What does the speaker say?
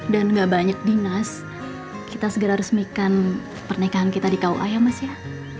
dan gak banyak dinas kita segera resmikan pernikahan kita di ku ayam mas ya